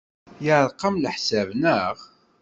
Yeɛreq-am leḥsab, naɣ?